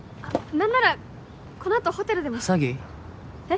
何ならこのあとホテルでも詐欺？えっ？